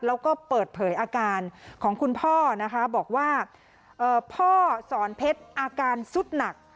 แล้วก็เปิดเผยอาการของคุณพ่อนะคะบอกว่าพ่อสอนเพชรอาการสุดหนัก